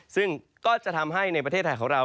ซึ่งก็จะทำให้ในประเทศไทยของเรา